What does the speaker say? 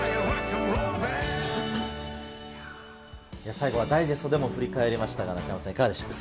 最後はダイジェストでも振り返りましたが、中山さん、いかがでしたか。